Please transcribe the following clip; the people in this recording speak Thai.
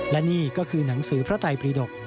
และนี่ก็คือหนังสือพระไตปรีดก